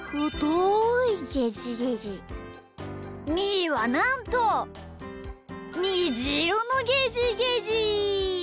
みーはなんとにじいろのゲジゲジ！